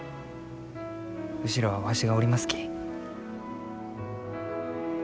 後ろはわしがおりますき。